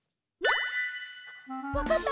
わかった？